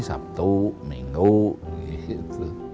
sabtu minggu gitu